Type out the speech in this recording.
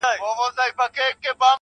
• ماته اوس هم راځي حال د چا د ياد.